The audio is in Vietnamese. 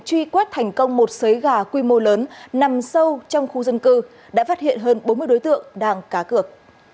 truy quét thành công một xới gà quy mô lớn nằm sâu trong khu dân cư đã phát hiện hơn bốn mươi đối tượng đang cá cược